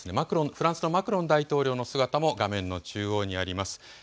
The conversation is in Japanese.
フランスのマクロン大統領の姿も画面の中央にあります。